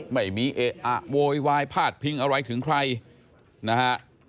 ไม่มีเอะอะโวยวายพาดพิงอะไรถึงใครนะฮะ